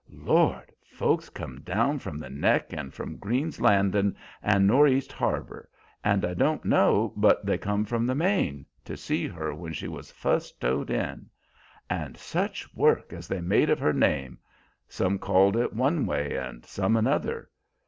Lord! folks come down from the Neck, and from Green's Landin', and Nor'east Harbor, and I don't know but they come from the main, to see her when she was fust towed in. And such work as they made of her name! Some called it one way and some another.